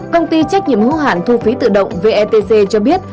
công ty trách nhiệm hữu hạn thu phí tự động vetc cho biết